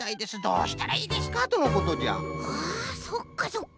あそっかそっか。